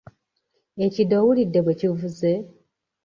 Ekide owulidde bwe kivuze?